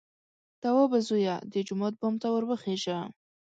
_توابه زويه! د جومات بام ته ور وخېژه!